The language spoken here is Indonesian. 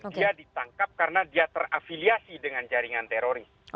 dia ditangkap karena dia terafiliasi dengan jaringan teroris